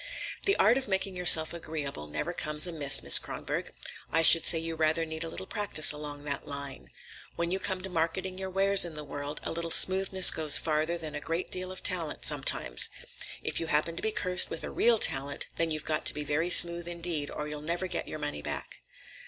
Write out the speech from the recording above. "The art of making yourself agreeable never comes amiss, Miss Kronborg. I should say you rather need a little practice along that line. When you come to marketing your wares in the world, a little smoothness goes farther than a great deal of talent sometimes. If you happen to be cursed with a real talent, then you've got to be very smooth indeed, or you'll never get your money back."